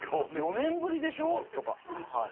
４年ぶりでしょ？とかはい。